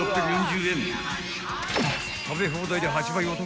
［食べ放題で８倍お得に］